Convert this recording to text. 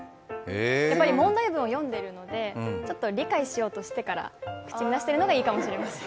やっぱり問題文を読んでるので、ちょっと理解しようとしてから口に出しているのがいいのかもしれません。